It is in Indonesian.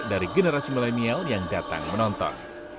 dari generasi milenial yang datang menonton